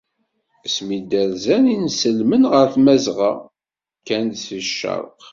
Asmi d-rzan Yinselmen ɣer Tmazɣa, kkan-d seg ccerq.